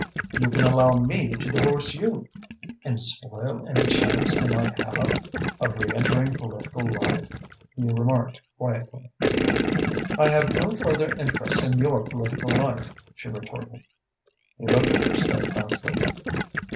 "You can allow me to divorce you." "And spoil any chance I might have of reentering political life," he remarked quietly. "I have no further interest in your political life," she retorted. He looked at her steadfastly.